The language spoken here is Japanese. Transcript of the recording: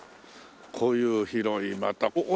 こういう広いまた。